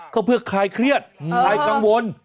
ก็เพื่อคลายเครียดคลายกังวล